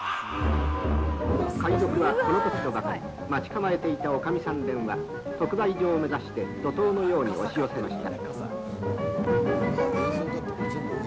買い得はこのときとばかり、待ち構えていたおかみさん連は、特売場を目指して、怒とうのように押し寄せました。